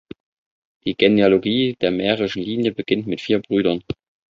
Die Genealogie der mährischen Linie beginnt mit vier Brüdern.